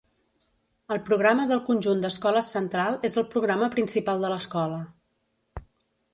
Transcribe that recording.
El programa del conjunt d'Escoles Central és el programa principal de l'Escola.